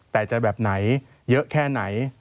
แต่จะแบบไหนเยอะแค่ไหน